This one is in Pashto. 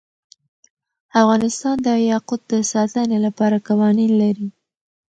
افغانستان د یاقوت د ساتنې لپاره قوانین لري.